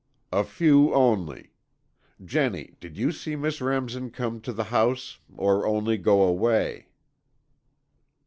"A few only. Jennie, did you see Miss Remsen come to the house, or only go away?"